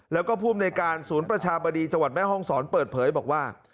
แล้วก็ภูมิในการศูนย์ประชาบดีจังหวัดแม่ห้องศรเปิดเผยบอกว่า